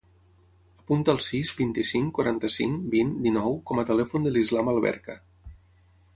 Apunta el sis, vint-i-cinc, quaranta-cinc, vint, dinou com a telèfon de l'Islam Alberca.